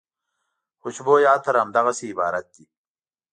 خوشبویه عطر همدغسې عبارت دی.